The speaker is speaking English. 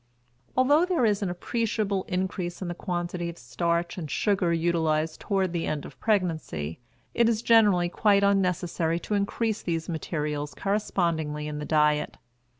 Although there is an appreciable increase in the quantity of starch and sugar utilized toward the end of pregnancy, it is generally quite unnecessary to increase these materials correspondingly in the diet.